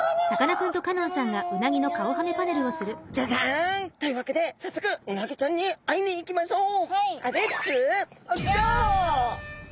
じゃじゃん！というわけで早速うなぎちゃんに会いに行きましょう！